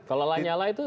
kalau lah nyala itu